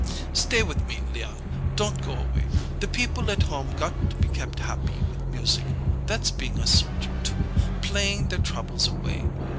Stay with me, Leon! Don't go away! The people at home got to be kept happy with music. That's being a soldier, too, playing their troubles away.